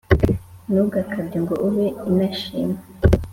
Ntugakabye ngo ube intashima